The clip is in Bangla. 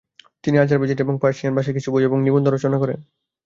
তিনি আজারবাইজানি এবং পার্সিয়ান ভাষায় কিছু বই এবং নিবন্ধন রচনা করেন।